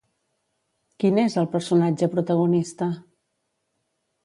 Qui n'és el personatge protagonista?